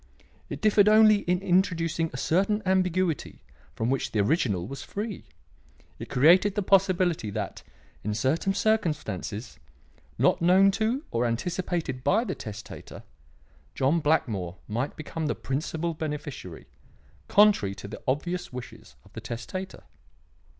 It differed only in introducing a certain ambiguity from which the original was free. It created the possibility that, in certain circumstances, not known to or anticipated by the testator, John Blackmore might become the principal beneficiary, contrary to the obvious wishes of the testator.